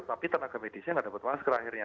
tapi tenaga medisnya tidak dapat masker akhirnya